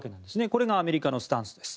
これがアメリカのスタンスです。